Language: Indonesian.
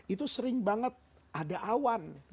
itu sering banget ada awan